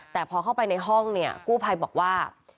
แต่พอเข้าไปในห้องเนี่ยกู้ภัยบอกว่า